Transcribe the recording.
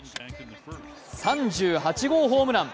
３８号ホームラン。